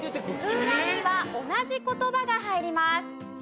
空欄には同じ言葉が入ります。